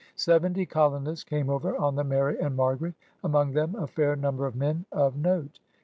Seventy colonists came over on the Mary and Margaret^ among them a fair number of men of note.